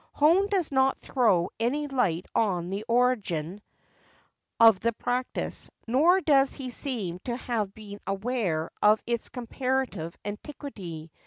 Hone does not throw any light on the origin of the practice, nor does he seem to have been aware of its comparative antiquity.